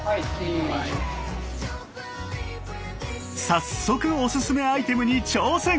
早速おすすめアイテムに挑戦！